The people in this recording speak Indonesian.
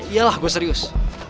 iya lah gue serius